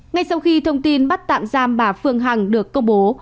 ngay sau khi thông tin bắt tạm giam bà phương hằng được công bố